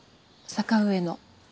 坂上の。